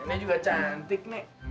nenek juga cantik